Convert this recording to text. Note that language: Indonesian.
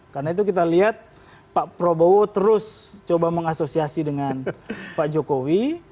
karena itu kita lihat pak prabowo terus coba mengasosiasi dengan pak jokowi